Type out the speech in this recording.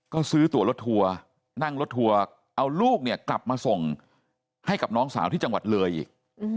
ก็ซื้อตัวรถทัวร์นั่งรถทัวร์เอาลูกเนี่ยกลับมาส่งให้กับน้องสาวที่จังหวัดเลยอีก